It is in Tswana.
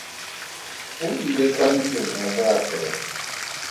O ile kwa ntlong ya boapeelo.